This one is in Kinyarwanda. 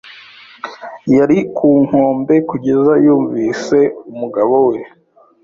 Yari ku nkombe kugeza yumvise umugabo we.